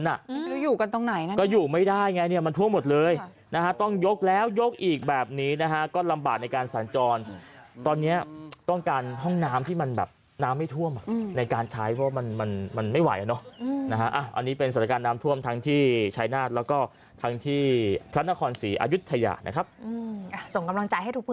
หรืออยู่กันตรงไหนก็อยู่ไม่ได้ไงมันพวกหมดเลยนะ